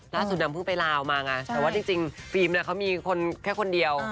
ล่าสุดนั้นเพิ่งไปลาออกมาไงแต่ว่าจริงฟิล์มน่ะเขามีคนแค่คนเดียว